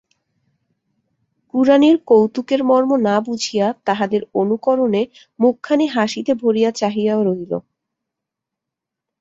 কুড়ানির কৌতুকের মর্ম না বুঝিয়া তাঁহাদের অনুকরণে মুখখানি হাসিতে ভরিয়া চাহিয়া রহিল।